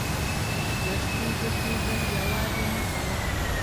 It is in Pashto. د شپې ګرځېدل یوازې مه کوه.